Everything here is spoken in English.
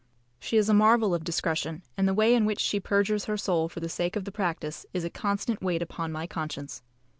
She is a marvel of discretion, and the way in which she perjures her soul for the sake of the practice is a constant weight upon my conscience.